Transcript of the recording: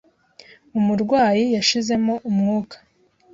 Umurwayi yashizemo umwuka.